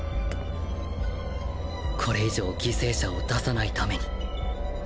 これ以上犠牲者を出さないために